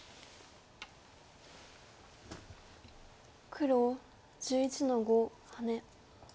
黒１１の五ハネ。